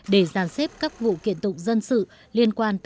để giàn xếp các vụ kiện tụng dân sự liên quan